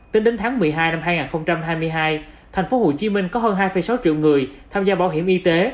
tính đến tháng một mươi hai năm hai nghìn hai mươi hai tp hcm có hơn hai sáu triệu người tham gia bảo hiểm y tế